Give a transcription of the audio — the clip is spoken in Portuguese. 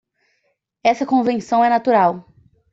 Essa convenção é natural.